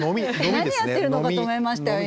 何やってるのかと思いましたよ